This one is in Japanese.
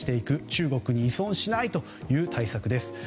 中国に依存しないという対策です。